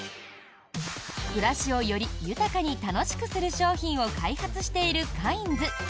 暮らしをより豊かに楽しくする商品を開発しているカインズ。